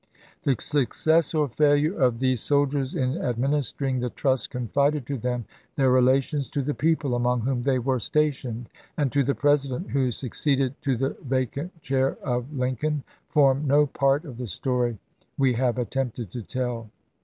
The success or failure of these soldiers in administering the trust confided to them, their relations to the people among whom they were stationed, and to the President who suc ceeded to the vacant chair of Lincoln, form no part of the story we have attempted to tell.